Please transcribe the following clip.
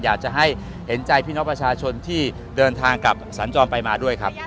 อยากจะให้เห็นใจพี่น้องประชาชนที่เดินทางกลับสัญจรไปมาด้วยครับ